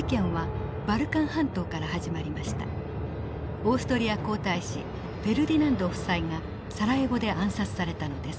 オーストリア皇太子フェルディナンド夫妻がサラエボで暗殺されたのです。